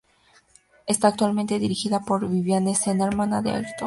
Está actualmente dirigida por Viviane Senna, hermana de Ayrton.